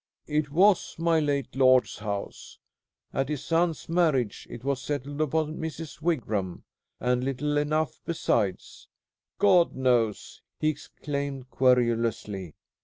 "It was my late lord's house. At his son's marriage it was settled upon Mrs. Wigram, and little enough besides, God knows!" he exclaimed querulously.